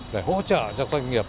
để hỗ trợ cho các doanh nghiệp